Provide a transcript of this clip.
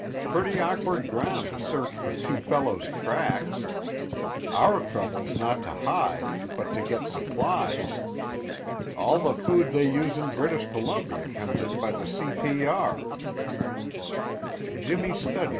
Pretty awkward ground to search for two fellows' tracks! Our trouble's not to hide, but to get supplies. All the food they use in British Columbia comes in by the C. P. R."